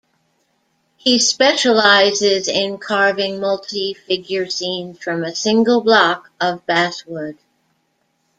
He specializes in carving multi-figure scenes from a single block of basswood.